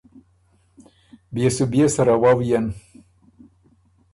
بيې سو بيې سَرَه وؤيېن۔